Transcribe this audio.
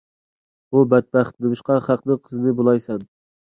ھۇ بەتبەخت، نېمىشقا خەقنىڭ قىزىنى بۇلايسەن؟